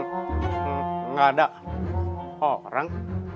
gak ada orang